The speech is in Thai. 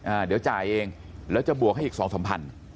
อ่าเดี๋ยวจ่ายเองแล้วจะบวกให้อีกสองสามพัน